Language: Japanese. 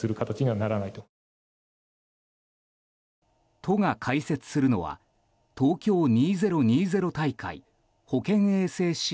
都が開設するのは東京２０２０大会保健衛生支援